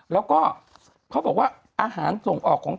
แล้วก็เขาบอกว่าอาหารส่งออกของ